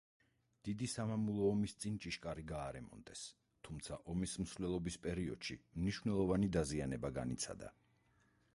დიდი სამამულო ომის წინ ჭიშკარი გაარემონტეს, თუმცა ომის მსვლელობის პერიოდში მნიშვნელოვანი დაზიანება განიცადა.